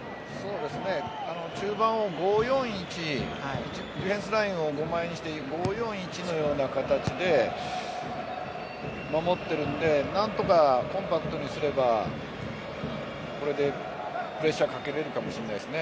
中盤を５−４ー１ディフェンスラインを５枚にして５−４ー１のような形で守っているので、何とかコンパクトにすればこれで、プレッシャーかけれるかもしれないですね。